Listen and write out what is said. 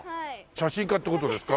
写真家って事ですか？